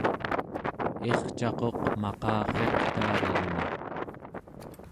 ircaquq maqariqtaarluni